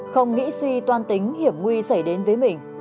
không nghĩ suy toan tính hiểm nguy xảy đến với mình